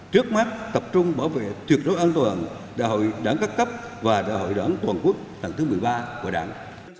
trước mắt tập trung bảo vệ tuyệt đối an toàn đại hội đảng các cấp và đại hội đảng toàn quốc thần thứ một mươi ba của đảng